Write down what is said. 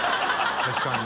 確かにね。